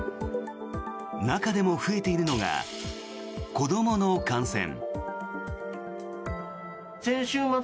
中でも増えているのが子どもの感染。